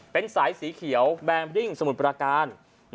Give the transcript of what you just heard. เป็นสายสีเขียวแบลงดิ้งสมุดปราการ